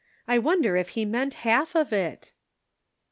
I wonder if he meant half of it